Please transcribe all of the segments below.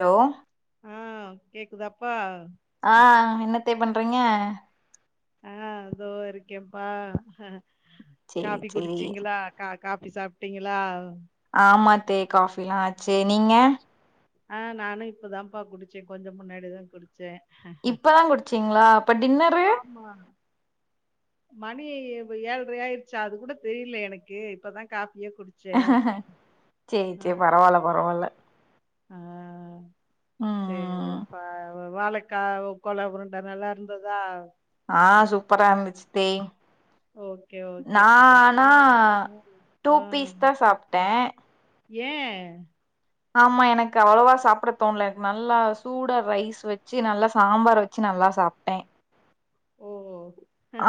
Low ஆ கேக்தாப்பா ஆ என்னத்தே பண் ரிங்க ஆ அதோ இருக்கேன்ப்பா அ சேரி காப்பி சேரி குடிச்சீங்களா கா காப்பி சாப்ட்டீங்களா ஆமா தே காஃபி லா சே நீங்க ஆ நானு இப்பதாப்பா குடிச்சே கொஞ்சு முன்னாடிதா குடிச்சே இப்பதா குடிச்சீங்களா அப்ப டின்னரு ஆமா. மணி அ ஏழ்ரை ஆயிருச்சா அது கூட தெரியலே எனக்கு இப்பதா காப் சேரி ஆ சே பரவால பரவால ஆ ம் சேரிப்பா வாழக்கா உ கோலா உருண்ட நல்லா இருந்துதா ஆ சூப்பரா இருந்துச்சுத்தே ஓகே, ஓகே. நா அப்ப னா நானும் ம். டூ பீஸ் தா சாப்ட்டே ஏ ஆமா எனக்கு அவ்வளவா சாப்ட தோணல எனக்கு நல்லா சூடா ரைஸ் வச்சு நல்லா சாம்பார் வச்சு நல்லா சாப்ட்டே ஓ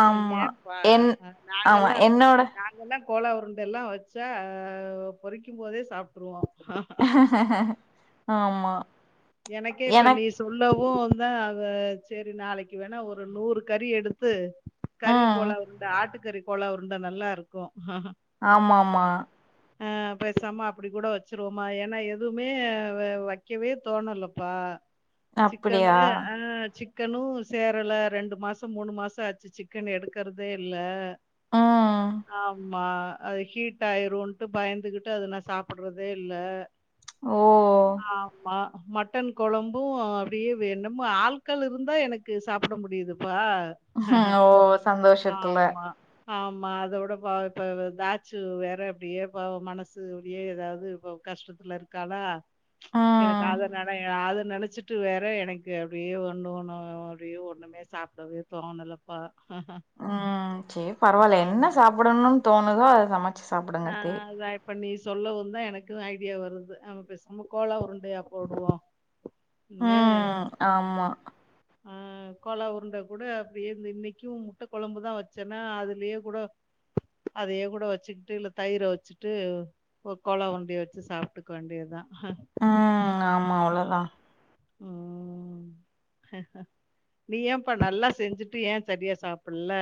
ஆமா ஏன்பா என் ஆமா நாங்கல்லா என்னோட நாங்கல்லா கோலா உருண்ட எல்லா வெச்சா பொரிக்கு போதே சாப்ட்டுருவோ ஹ ஹ ஹ ஆமா எனக்கே இப்ப நீ எனக் சொல்லவ் ஓ ந்த அவ சேரி நாளைக்கு வேணா ஒரு நூறு கறி எடுத்து கறி ம் கோலா உருண்ட ஆட்டுக் ஆட்டுகறி கோலா உருண்ட நல்லாருக்கு ஆம்மாம்மா ஆ பேசாம அப்பிடி கூட வச்சருவோமா ஏன்னா எதுவுமே வ வைக்கவே தோணலப்பா அப்டியா? சிக்கனு ஆ சிக் சிக்கனு சேரல ரெண்டு மாசோ மூணு மாசோ ஆச்சு சிக்கன் எடுக்கறதே இல்ல ம். ஆமா அது ஹீட் ஆயிருன்டு பயந்துகிட்டு அத நா சாப்படுறதே இல்ல ஓ! ஆமா மட்டன் கொழம்பூ அப்டியே வே என்னமோ ஆட்கள் இருந்தா எனக்கு சாப்பட முடியுதுப்பா ஆ ஓ சந்தோஷத்துல ஆமா. ஆமா அத விட பா இப்ப தாச்சு வேற அப்படியே பாவோ மனசு அப்படியே ஏதாவது இப்ப கஷ்டத்துல இருக்காலா எனக்கு ம். அது [unintelligible] நினைச்சிட்டு வேற எனக்கு அப்படியே ஒண்ணு ஒண்ணு அப்படியே ஒண்ணுமே சாப்பிடவே தோணணலப்பா ஆ சேரி பரவாயில்ல ஆமா. என்ன சாப்பிடனு தோணுதோ அத சமை ஆ சாப்பிடுங்க அதே அதான் இப்ப நீ சொல்லவு தான் எனக்குனு ஐடியா வருது நம பேசாம கோலா உருண்டையா போடுவோ ஆ ஆமா ம் கோலா உருண்டை கூட அப்படியே இன்னைக்கு முட்டை கொழம்புதா வச்சேன்னா அதுலயே கூட அதையே கூட வச்சுக்கிட்டு இழு தயிர வச்சுட்டு ஒரு கோலா உருண்டய வச்சு சாப்பிட்டுக்க வேண்டியதுதா ம் ஆமா அவ்ளோதா ம் நீ ஏன்ப்பா நல்லா செஞ்சுட்டு ஏ சரியா சாப்பில்ல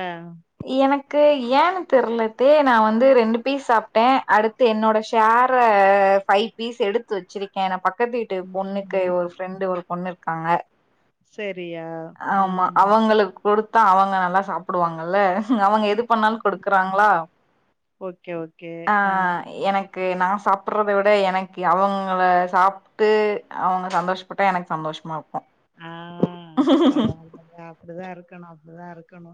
எனக்கு ஏன்னு தெரிலத்த நா வந்து ரெண்டு பீஸ் சாப்பிட்ட அடுத்து என்னோட ஷேர ஃபைவ் பீஸ் எடுத்து வச்சிருக்கேன் நா பக் பக்கத்து வீட்டு பொண்ணுக்கு ம். ஒரு ஃப்ரெண்டு் ஒரு பொண்ணுயிருக்காங்க சரியா ம் த்தா அவங்க நல்லா சாப்பிடுவாங்க நல்ல அவங்க எது பண்ணாலும் குடுக்குறாங்ளா ஓகே ஓகே ஆ ஆஹ் எனக்கு நா சாப் சாப்பிடறத விட எனக்கு அவங்கள சாப்பிட்டு அவங்க சந்தோஷப்பட்டா எனக்கு சந்தோஷமாகு ஆஹ் பரவால அப்படிதா இருக்கணு அப்படிதா இருக்கணு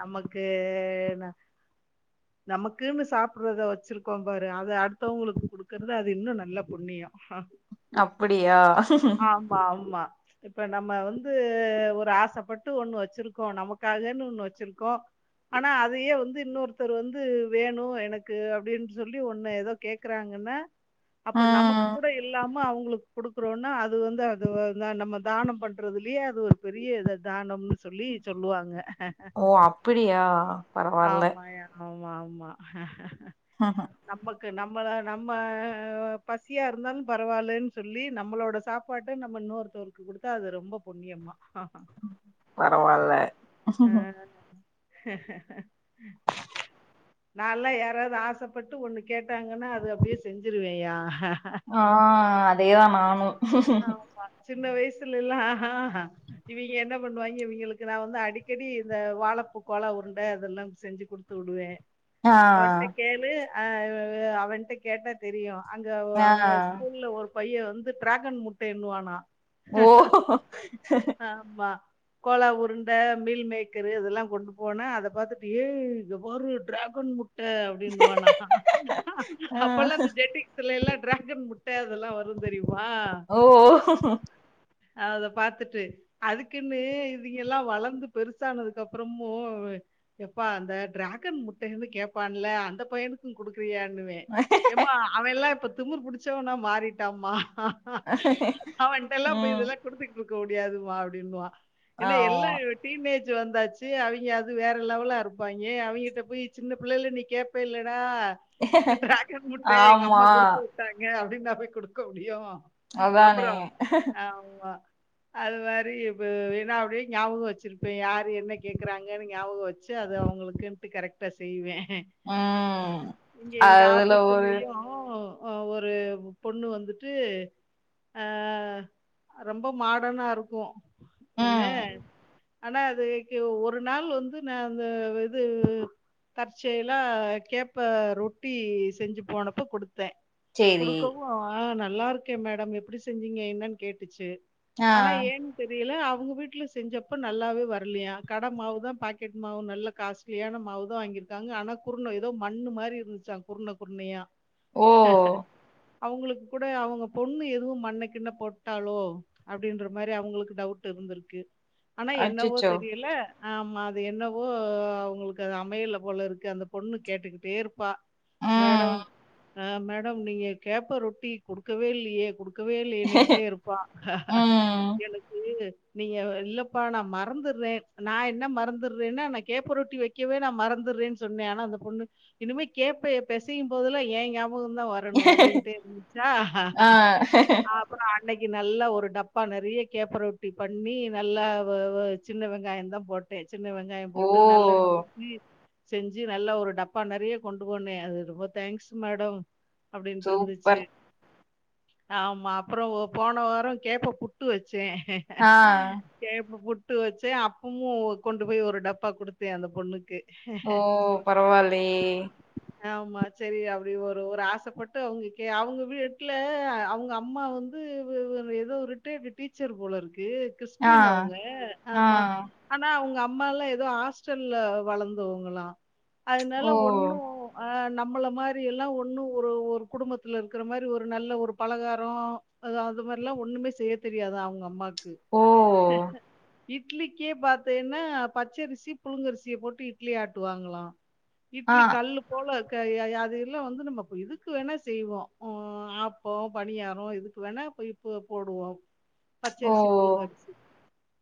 நமக்குனா நமக்குன்னு சாப்பிடுறத வச்சிருக்கோம் பாரு அது அடுத்தவங்களுக்கு குடுக்கறது அது இன்னு நல்லா புண்ணியம் அப்படியா ஆமா ஆமா இப்ப நம்ம வந்து ஒரு ஆசைப்பட்டு ஒண்ணு வச்சிருக்கோ நமக்காகன்னு ஒண்ணு வச்சிருக்கோ ஆனா அதயே வந்து இன்னொருத்தரு வந்து வேணு எனக்கு அப்படின்னு சொல்லி ஒண்ணு எதோ கேக்குறாங்கன்னா அப்ப நமக்கு ம் கூட இல்லாம அவுங் உங்களுக்கு குடுக்குறோன்னா அது வந்து அ அது வந்து நம்ம தானம் பண்றதுலயே அது ஒரு பெரிய இது தானம்னு சொல்லி சொல்லுவாங்க ஓ அப்பிடியா பரவால்ல ஆமாயா அ வாமா ஆஹ்ஹ க்கு நம்மள நம்ம பசியா இருந்தாலு பரவாயில்லன்னு சொல்லி நம்மளோட சாப்பாட் நம்ம இன்னொருத்தருக்கு குடுத்தா அது ரொம்ப புண்ணியமா பரவால்ல நா எல்லா யாராவது ஆசைப்பட்டு ஒண்ணு கேட்டாங்கன்னா அது அப்படியே செஞ்சிருவேயா ஆ அதேதா நானு ஹ்ஹ ஹ ஆமா சின்ன வயசுலல்லாம் அஹ் அஹ் இவிங்க என்ன பண்ணுவாங்க இவிங்களுக்கு நான் வந்து அடிக்கடி இந்த வாழைப்பு கொலை உருண்டை அதெல்லாம் செஞ்சு கொடுத்து உடுவேன் ஆ அவட்டக் கேளு ஆஹ் அவன்ட்ட கேட்டா தெரியு அங்க ஆ அவங்க ஸ்கூல்ல ஒரு பையன் வந்து டராக் சிக்கன் முட்டை என்னுவானா ஓ ஆமா கோலா உருண்ட மீல் மேக்கரு இதெல்லாம் கொண்டு போனா அதை பாார்த்துட்டு ஏ இங்க பாரு டிராகன் முட் அப்படின்னுுவானாஅஹ் அஹ் ஆ அப்ப எல்லாம் அந்த ஜட்டிகிஸ்ல எல்லாம் டிராகன் முட்ட அதெல்லாம் வரும் தெரியுமா ஓ ஆஹ் அத பார்த்துட்டு அதுக்குன்னு இவங்க எல்லாம் வளர்ந்து பெருசானதுக்கு அப்புறமும் எப்பா அந்த டிராகன் முட்டன்னு கேடப்பான்ல அந்த பையனுக்கும் கொடுக்க ஃப்ரியான்னுவே எம்மா அவன் லான் இப்ப திமிர் புடிச்சவனா மாறிட்டாமா ஹ ஹ அவண்டெல்லாம் போய் ம் இதல்லாம் குடுத்துட்டு இருக்க முடியாதுமா அப்படின்னுவா என்ன எல்லாம் ஆமா டீனேஜ் வந்தாச்சு அவிங்க அது வேற லெவலா இருப்பாய்ங்க அவிங்ககிட்ட போய் சின்ன பிள்ளைல நீ கேப்பல்லடா டிராகன் முட்டை எங்க ஆமா அம்மா குடுத்து விட்டாங்க அப்டினா போய் குடுக்க முடியு அதானே அது மாரி இப்பவே நான் அப்படியே ஞாபகம் வச்சிருப்பேன் யாரு என்ன கேக்குறாங்கன்னு ஞாபகம் வச்சு அது அவங்களுக்குன்ட்டு கரெக்டா செய்வேன் ஆ இங்க எங்க அதுல ஒரு ஆபீஸ்லயும் ஒரு பொண்ணு வந்துட்டு அ ரொம்ப மாடனாருக்கூ என்ன ம் ஆனா அதுக்கு ஒரு நாள் வந்து நா அந்த வ இது தற்செயலா கேப்ப ரொட்டி செஞ்சு போனப்ப கொடுத் தே சேரி குடுக்கவு ந நல்லாருக்கே மே டம் எப்புடி செஞ்சீங்க என்னன் கேட்டுச்சு ஆ ஆனா ஏன் தெரியல அவ் அவுங்க வீட்ல செஞ்சப்ப நல்லாவே வர்லயா கட மாவு தா பாக்கெட் மாவு நல்ல காஸ்ட்லியான மாவு தா வாங்கியிருக்காங்க ஆனா குருண ஏதோ மண்ணு மாரி இருந்துச்சா குருண குருணையா ஓ அவுங்களுக் கூட அவுங்க பொண்ணு எதுவு மண்ண கின்ன போட்டாலோ அப்டின்ற மாரி அவுங்களுக்கு டவுட் இருந்திருக்கு ஆனா என்னவோ அச்சச்சோ தெரியல ஆமா அது என்னவோ அவுங்கள்க்கு அது அமையல போலருக்கு அந்த பொண்ணு கேட்டுக்கிட்டேருப் பா ம் மேடம் அ மேடம் நீங்க கேப்ப ரொட்டி குடுக்கவே இல்லி யே குடுக் கவேல்லியேண்ணிக்கிட்டே இருப்பா ம் எனக்கு நீங்க வ இல்லப்பா நா மறந்துர்றே நா என்ன மறந்துர்றேன்னா நா கேப்ப ரொட்டி வெக்கவே நா மறந்துர்றேன் சொன்னே ஆனா அந்த பொண்ணு இனிமே கேப்பய பெசையும் போதுலா ஏ நியாப பகோ தா வரணு அப்டின்ட்டே இருந்துச்சா ஆ அன்னைக்கி நல்லா ஒரு டப்பா நெறிய கேப்பரொட்டி பண்ணி நல்லா வ வ சின்ன வெங்காயந்தா போட்டே சின்ன வெங்காயம் ஓ போட்டு நல்லெண்ண ஊத்தி செஞ்சு நல்லா ஒரு டப்பா நெறிய கொண்டு போனே அது ரொம்ப தேங்க்ஸ் மேடம் அப்டின்ட்ருந்துச்சு சூப்பர் ஆமா அப்பறோ ஓ போன வாரொ கேப்ப புட்டு வச் சே ஆ கேப்ப புட் டு வச்சே அப்பமு கொண்டு போய் ஒரு டப்பா குடுத்தே அந்த பொண்ணுக்கு ஓ பரவாலெயெ ஆமா செரி அப்புடி ஒரு ஒரு ஆசப்பட்டு அவுங்க கே அவுங்க‌ வீ எப்டி ட்ல அவுங்க அம்மா வந்து வ வ எதோ ரிட்டையர்டு டீச்சர் போலருக் கு‌ ஆ கிறிஸ்டின் அவுங்க ஆ ஆமா ஆனா அவுங்க அ அம்மால்லா ஏதோ ஹாஸ்டல்ல வளர்ந்தவுங்களா அதுனால ஓ ஒண்ணு ஆ நம் நம்மள மாரி எல்லாம் ஒன்னும் ஒரு ஒரு குடும்பத்து இருக்கிற மாரி ஒரு நல்ல ஒரு பலகாரம் அது மாரி எல்லாம் ஒண்ணுமே செய்ய தெரியாது அவங்க அம்மாக்கு ஓ இட்லிக்கே பத்தேன்னா பச்சரிசி புழுங்கரிசிய போட்டு இட்லி ஆட்டுவாங்களாம் ஆ இட்லி கல்லு போல அது எல்லாம் வந்து நம்ம இதுக்கு வேணா செய்வோம் உ ஆப்பம் பனியாரம் இதுக்கு வேணா இப்ப இப்போ போடுவோம் ஓ பச்சரிசி புழுங்க அரிசி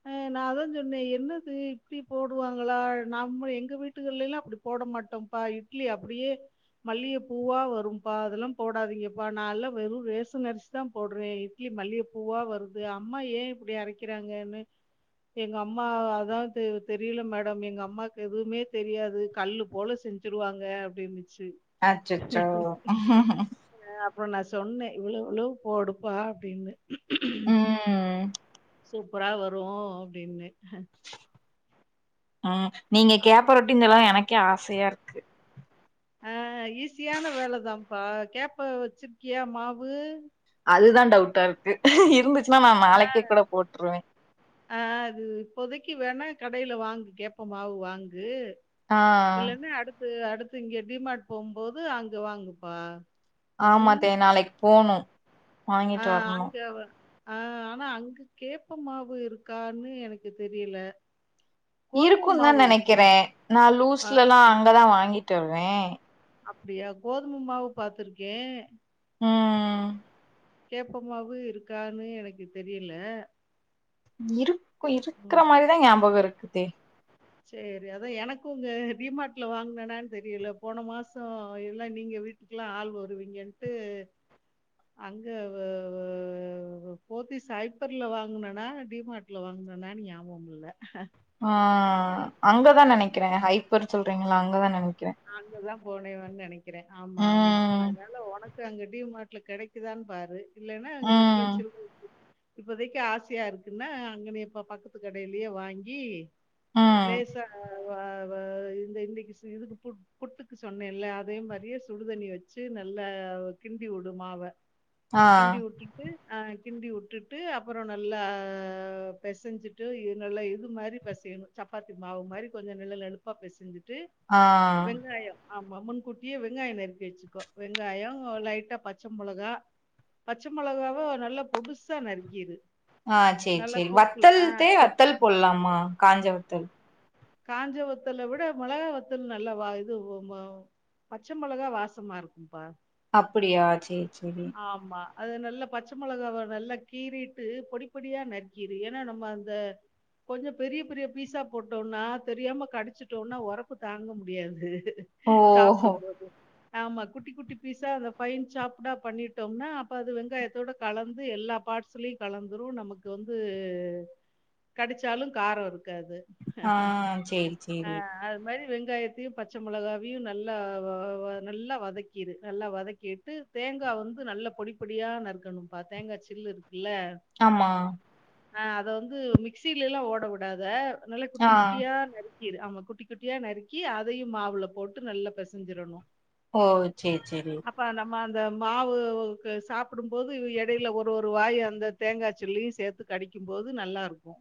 அஹ் நா அதான் சொன்னேன் என்னது இப்டி போடுவாங்களா நம்ம எங்க வீட்டுகள்ல எல்லாம் அப்படி போட மாட்டோம்ப்பா இட்லி அப்படியே மல்லிக பூவா வரும்பா அதெல்லாம் போடாதீங்க நான்ல்ல வெறும் ரேசன் அரிசு தான் போடுறேன் இட்லி மல்லிகைப்பூவா வருது அம்மா ஏன் இப்படி அரைக்கிறாங்கன்னு எங்க அம்மா அதான் தெரில மேடம் எங்க அம்மாக்கு எதுவுமே தெரியாது கல்லு போல செஞ்சுருவாங்க அப்படின்ந்து அச்சச்சோ அப்பறம் நா சொன்னே இவ்வோ ளோ இவ்வோளோ போடுப்பா அப்டின்னு உம் சூப்பரா வரும் அப்படின்னே ஆஹ் நீங்க கேப்ப ரோட்டினு சொல்லவும் எனக்கு ஆசையா இருக்கு அஹ் ஈஸியான வேலதான்ப்பா கேப்ப வச்சிருக்கியா மாவு அதுதான் டவுட்டா இருக்கு இருந்து ச்சுன நான் நாளைக்கு கூட போட்டுருவேன் க்கு வேணா கடையில வாங்கு கேப்ப மாவு வாங்கு ஆ இல்லன்ன அடுத்து அடுத்து இங்க டிமார்ட் போகும்போது அங்க வாங்குப்பா ஆமா அத்தே நாளைக்கு போனும் ஆஹ் ஆஞ்சவர் ஆஹ் ஆனா அங்கு கேப்ப மாவு இருக்கான்னு எனக்கு தெரியல கோதும இருக்கும் மாவு தான் இருக்கும். நெனைக்கிறேன் நா ஆ லூஸ்லல்லாம் அங்கதான் வாங்கிட் ட்டுவேன் அப்டியா கோதும மாவு பாத்துருக்கேன் ம் கேப்பமாவு இருக்கான்னு எனக்கு தெரியல இருக்கும் இருக்கற மாரிதான் ஞாபகம் இருக்கு த்தே செரி அதான் எனக்கும் உங்க டிமார்ட்ல வாங்கனனான்னு தெரியல போன மாசம் எல்லாம் நீங்க வீட்டுக்கெல்லாம் ஆள் வருவீங்கன்ட்டு அங்க போத்திஸ் ஹைப்பர்ல வாங்கனனா டிமார்ட்ல வாங்கனனனு ஞாபகம் இல்ல ஆஹ் அங்கதான் நினைக்கிறேன் ஹைப்பர் சொல் ங்களா அங்கதான நாங்க தான் போனேம்ன்னு இருக்கிறேன் ஆமா ஆமா ம் அதனால உனக்கு அங்க டிமார்ட்ல கிடைக்குதான்னு பாரு இல்லைன்னா அங்க இந்த ம் [unintelligible] இப்பதைக்கு ஆசியா இருக்குன்னா அங்கன இப்ப பக்கத்து கடையிலயே வாங்கி ம் லேசா வா வா இந்த இன்னைக்கு இதுக்கு புட்டுக்கு சொன்னேன்ல்ல அதே மாதிரியே சுடுதண்ணி வச்சு நல்லா கிண்டி விடும் மாவ ஆ கிண்டி உட்டுட்டு ஆஹ் கிண்டி உட்டுட்டு அப்புறம் நல்லா பிசைஞ்சிட்டு நல்லா இது மாரி பசையணும் சப்பாத்தி மாவு மாரி கொஞ்சம் நல்லா நெழுப்பாக பிசைஞ்சிட்டு ஆஹ் ஆமா முன்கூட்டியே வெங்காயம் நறுக்கி வச்சுக்கோ வெங்காய லைட்டா பச்சை மொளகா பச்சை மொளகாவும் நல்லா பொடுசா நறுக்கிறு ஆஹ் சரி சரி வத்தல்தே கொ வத்தல் போடலாமா காஞ்சபரம் தெ காஞ்ச ஒத்தல விட மொளகா வத்தல் நல்ல வா இது பச்சை மொளகா வாசமா இருக்கும்பா அப்படியா சரி சரி ஆமா. அது நல்லா பச்சை மொளகாவ நல்லா கீறிட்டு பொடிப்படியா நறுக்கிரு ஏன்னா நம்ம அந்த கொஞ்சம் பெரிய பெரிய பீஸா போட்டோம் நான் தெரியாம கடிச்சிட்டோம்னா உரப்பு தாங்க முடியாது ஓஹோ சாப்டும் போது ஆமா குட்டி குட்டி பீஸா அந்த ஃபைன் சாப்டா பண்ணிட்டோம்னா அப்போ அது வெங்காயத்தோட கலந்து எல்லா பார்ட்ஸ்லயும் கலந்துரும் நமக்கு வந்து கடுச்சாலும் காரம் இருக்காது ஆஹ் சரி அ சரி அது மாரி வெங்காயத்தையும் பச்சை மொளகாவையும் நல்லா நல்லா வதக்கிரு நல்லா வதக்கிட்டு தேங்காய் வந்து நல்ல பொடி பொடியா நறுக்கணும்ப்பா தேங்காய் சில்லு இருக் ஆமா ஆஹ் அத வந்து மிக்சிலலா ஓடவுடாத அதனால ஆ குட்டி குட்டியா நறுக்கி ஆ குட்டி குட்டியா நறுக்கி அதையும் மாவுல போட்டு நல்லா பெசஞ்சிரணும் ஓ சரி சரி ம் அந்த மாவு சாப்பிடும் போது இடையில ஒரு ஒரு வாய் அந்த தேங்காய்ச்சிலயும் சேர்த்து கடிக்கும் போது நல்லா இருக்கும்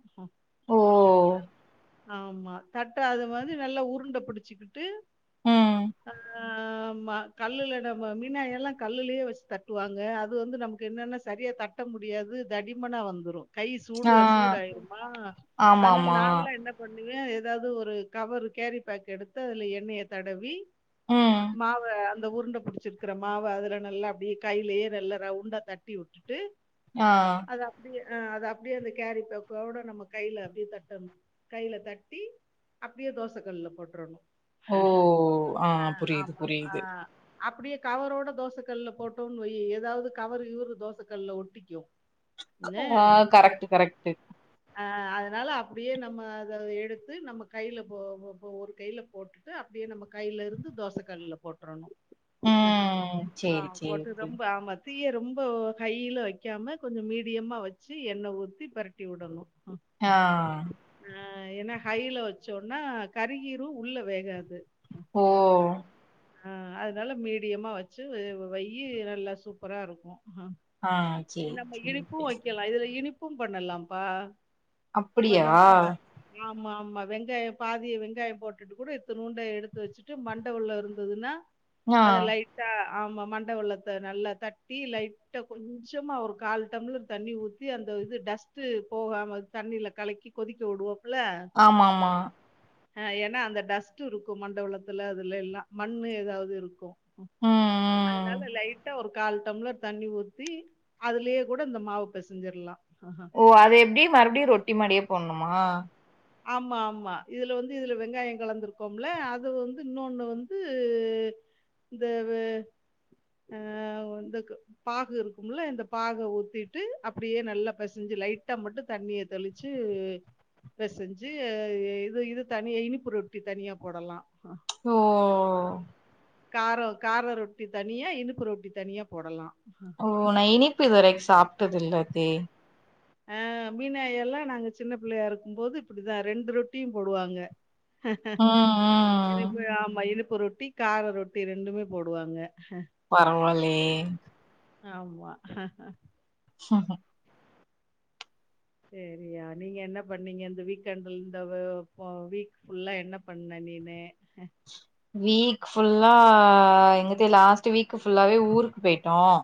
ஓ ஆமா தட்ட அதை வந்து நல்லா உருண்டை பிடிச்சிக்கிட்டு ம் ஆஹ் கல்லுல நம்ம மீனாய எல்லாம் கல்லுலயே வச்சு தட்டுவாங்க அது வந்து நமக்கு என்னன்னா சரியா தட்ட முடியாது தடிமனா வந்துரும் கை ஆ சூடுல சூடாயிருமா ஆனா ஆமாமா நான்ல என்ன பண்ண ஏதாவது ஒரு கவர்ரு கேரி பேக் எடுத்து அதுல எண்ணெய தடவி ம் மாவ அந்த உருண்டை புடிச்சிருக்கிற மாவ அதுல நல்லா அப்டியே கையிலேயே நல்லா ரவுண்டா தட்டிவுட்டுட்டு ஆஹ் ஆஹ் அது அப்படியே அந்த கேர்ரிபாகோட நம்ம கையில அப்டியே தட் கையில தட்டி அப்டியே தோசை கல்ல போட்ரணும் ஓ ஆஹ் புரியுது புரியுது அப்டியே கவரோட தோசை கல்ல போட்டோன்னு வை ஏதாவது கவர் கிவரு தோசை கல்ல ஒட்டிக்கும் ஆஹ் கரெக்ட் கரெக்ட் ஆஹ் அதனால அ அப்டியே நம்ம அதை எடுத்து நம்ம கையில போ ஒரு கையில போட்டுட்டு அப்படியே நம்ம கையில இருந்து தோசை கல்லுல போட்ரணும் ம் சேரி ஆஹ் சேரி போட்டு சேரி ரொம்ப ஆமாத் தீயை ரொம்ப ஹையில வைக்காம கொஞ்சம் மீடியமா வச்சு எண்ணெய் ஊத்தி பெரட்டி விடணும் ஆஹ் ஆஹ் ஏன்னா ஹையில வச்சோம்ன்னா கறிகீரும் உள்ள வேகாது ஓ ஆஹ் அதனால மீடியமா வச்சு வெய் நல்லா சூப்பரா இருக்கும் ஹ ஆ து சேரி நம்ம இனிப்பும் சேரி வைக்கலாம் இதுல இனிப் ப்பு பண்ணலாம்ப்பா அப்படியா கொஞ்சம் மாவு ஆமா ஆமா வெங்காயம் பாதி வெங்காயம் போட்டுட்டு கூட இதுணுண்டு எடுத்து வச்சுட்டு மண்ட உள்ள இருந்ததுன்னா ஆ அதா லைட்டா அ ஆமா மண்ட வெள்ளத்த நல்லா தட்டி லைட்டா கொஞ் கொஞ்சமா ஒரு கால் டம்ளர் தண்ணி ஊற்றி அந்த இது டஸ்ட்டு போகாம தண்ணியில் கலக்கி கொதிக்க விடுவோ ஆமா ஆமா அ ஏனா அந்த டஸ்ட் இருக்கு மண்டவலத்துல அதுல எல்லா மண்ணு ஏதாவது இருக்கு ம் அதனால ம் லைட்டா ஒரு கால் டம்ளர் தண்ணி ஊத்தி அதுலே கூட இந்த மாவு பேசஞ்சர்லா ஓ அது எப்டி மறுபடியு ரொட்டி மாரியே போடணுமா ஆமா ஆமா இதுல வந்து இதுல வெங்காயோ கலந்துருக்கோம்ல அது வந்து இன்னொன்னு வந்து இந்த வே ஆஹ் இந்த பாகு இருக்கும்ல இந்த பாக ஊத்திட்டு அப்படியே நல்லா பெசஞ்சு லைட்டா மட்டு தண்ணிய தெளிச்சு பெசஞ்சு இது இது தனி இனிப்பு ரொட்டி தனியா போடலா ச் ஓ காரோ கார ரொட்டி தனியா இனிப்பு ரொட்டி தனியா போடலா ஓ நா இனிப்பு இதுவரைக்கு சாப்டது இல்ல தே அஹ் மீனாயெல்லா நாங்க சின்ன பிள்ளையாருக்கும் போது இப்படிதா ரெண்டு ரொட்டியு போடுவாங்க ம் ம் இதுப்பு ஆமா இதுப் உப்பு ரொட்டி கார ரொட்டி ரெண்டுமே போடுவாங்க பரவால ஏ ஆமா சரியா நீங்க என்ன பண்ணீங்க இந்த வீக்கெண்ட்ல் இந்த வ ப வீக் புல்லா என்ன பண்ண நீனு நேத்தி லாஸ்ட் வீக் ஃபுல்லாவே ஊருக்கு போயிட்டோம்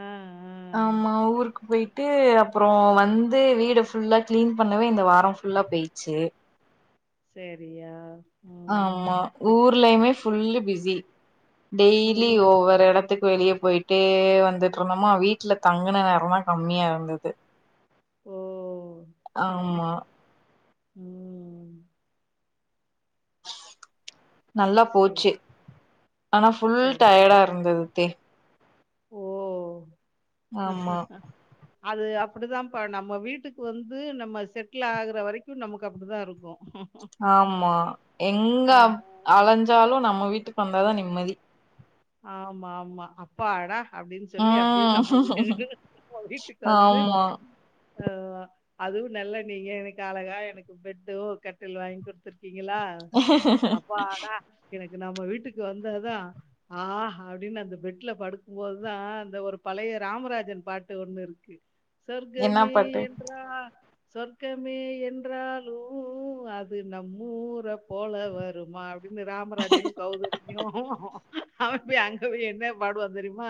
அஹ் ஆமா ஊருக்கு போய்ட்டு அப்புறோ வந்து வீடு ஃபுல்லா கிளீன் பண்ணவே இந்த வாரம் ஃபுல்லா போய்ச்சு சரியா ம் ஆமா ஊர்லயுமே ஃபுல்லி பிஸி டெய்லி ம் ஒவ்வொரு எடத்துக்கு வெளியேப் போயிட்டே வந்துட்டிருந்தோமா வீட்ல தங்குன நேரல்லா கம்மியா இருந்தது ஓ ஆமா உம் நல்லா சரி போச்சு ஆனா ஃபுல் சரி டயர்டா இருந்தது த்தி ஓ [inaudible] ஆமா அது அப்படி தாம்பா நம்ம வீட்டுக்கு வந்து நம்ம செட்ல் ஆகுற வரைக்கு நமக்கு அப்டி தா இருக்கு ஆமா எங்க ஆ வ அலைஞ்சாலு நம்ம வீட்டுக்கு வந்தாதா நிம்மதி ஆமா ஆமா அப்பாடா அப்டின் சொல்லி அப்படின் நம்ம ம் வீட்டுக்கு நம்ப வீட்டுக்கு வந்து ஆமா ஆ அதுவு நல்ல நீங்க எனக்கு அழகா எனக்கு பெட்டு கட்டில் வாங்கி கொடுத்துருக் க்கீங்களா அப்பாடா எனக்கு நம்ம வீட்டுக்கு வந்தாதா ஆஹ அப்டின்னு அந்த பெட்ல படுக்கும்போதுதா அந்த ஒரு பழைய ராமராஜர் பாட்டு ஒண்ணு இருக்கு என்னா சொர்கமே பாட்டு என்றா சொர்க்கமே என்றாலு அது நம்ஊர போல வருமா அப்படின்னு ராமராஜனு கௌதமியு அவன் போய் அங்க போய் என்ன பாடுவா தெரியுமா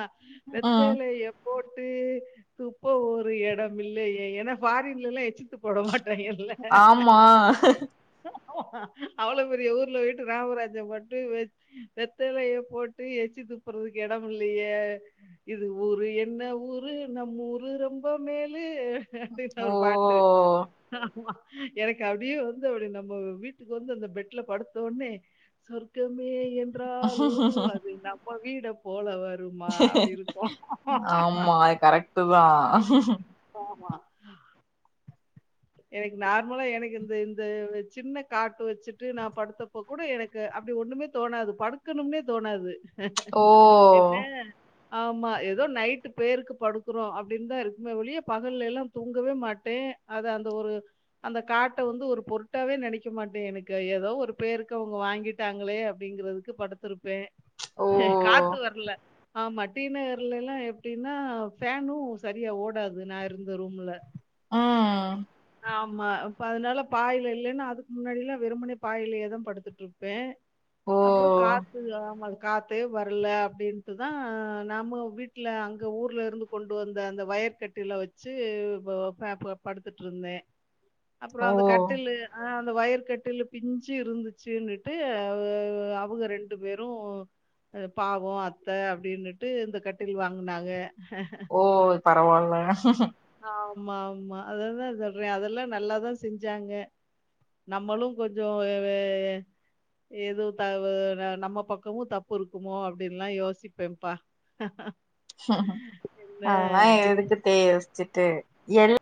ம் வெத்தலைய போட் டு துப்ப ஒரு எடம் இல்லையே ஏன்னா ஃபாரின்ல எல்லா எச்சித்துப்ப விட மாட் ஆமா அவ்ளோ பெரிய ஊர்ல போய்ட்டு ராமராஜன் மட்டு வெச் வெத்தலைய போட்டு எச்சி துப்புறதுக்கு எட இல்லையே இது ஊரு என்ன ஊரு நம் ஊரு ரொம்ப மேலு அப்டினு ஓ ஒரு பாட்டு ஆமா எனக்கு அப்டியே வந்து அப்டி நம்ம வீட்டுக்கு வந்து அந்த பெட்ல படுத்தொட்னே சொர்க மே என்றாலு போ அது நம் ம்ம வீட போலவர் ஆமா அது கரெக்டு தா ம். ஆமா. எனக்கு நார்மலா எனக்கு இந்த இந்த சின்ன காட்டு வச்சுட்டு நா படுத்தப்போ கூட எனக்கு அப்டி ஒண்ணுமே தோணாது படுக்கணுமே தோணாது ஓ என்ன ஆமா ஏதோ நைட்டு பேருக்கு படுக்கறோ அப்டின்னு தா இருக்குமே வொழியே பகல்ல எல்லா தூங்கவே மாட்டே அது அந்த ஒரு அந்த காட்ட வந்து ஒரு பொருட்டாவே நெனைக்க மாட்டே எனக்கு ஏதோ ஒரு பேருக்கு அவங்க வாங்கிட்டாங்களே அப்படிங்கறதுக்கு படுத்திருப்பே ஓ காத்து வர்ல ஆமா டீநகர்லல்லா எப்டின்னா ஃபேனும் சரியா ஓடாது நா இருந்த ரூம்ல ஆ ஆமா அப்ப அதனால பாயில இல்லேன்னா அதுக்கு முன்னாடியில்லா வெரும்பனே பாயிலேயே தா படுத்துட் ருப்பே ஓ அப்புறோ காத்து ஆமா [unintelligible] காத்தே வர்ல அப்டின்ட்டு தா நம்ம வீட்ல அங்கே ஊர்ல இருந்து கொண்டு வந்த அந்த வயர் கட்டில வச்சு ப பாப் படுத்துட் ருந்தே அப்றோ ஓ அந்த கட்டிலு ஆ அந்த வயர் கட்டிலு பிஞ்சு இருந்துச்சுன்னுட்டு அவு அ அவங்க ரெண்டு பேரூ பாவோ அத்த அப்டின்னுட்டு இந்த கட்டில் வாங்குனாங்க ஓ பரவால்ல ஆமா ஆமா அததா சொல்றே அதெல்லா நல்லாதா செஞ்சாங்க நம்மளு கொஞ்சோ எ எ ஏ எதுவு தவறா நம்ம பக்கமு தப்பு ருக்குமோ அப்டின்ல்லா யோசிப்பேப்பா அதெல்லா எதுக்கு தே யோஸ்சுட்டு எள்